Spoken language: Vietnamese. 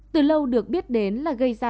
từ lâu được biết đến là gây ra